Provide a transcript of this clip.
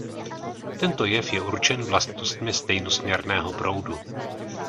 Tento jev je určen vlastnostmi stejnosměrného proudu.